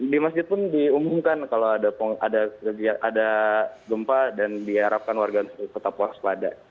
di masjid pun diumumkan kalau ada gempa dan diharapkan warga tetap waspada